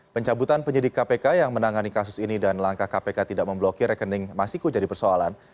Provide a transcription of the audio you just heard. pencabutan penyidik kpk yang menangani kasus ini dan langkah kpk tidak memblokir rekening masiku jadi persoalan